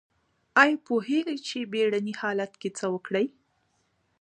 ایا پوهیږئ چې بیړني حالت کې څه وکړئ؟